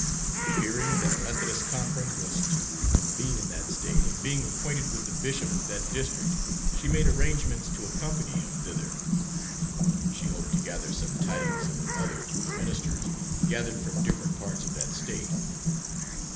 Hearing that a Methodist conference was to convene in that State, and being acquainted with the bishop of that district, she made arrangements to accompany him thither. She hoped to gather some tidings of her mother through the ministers gathered from different parts of that State.